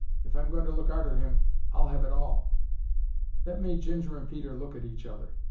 If I'm going to look arter 'im I'll 'ave it all." That made Ginger and Peter look at each other.